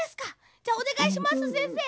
じゃあおねがいしますせんせい。